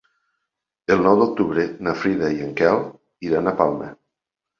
El nou d'octubre na Frida i en Quel iran a Palma.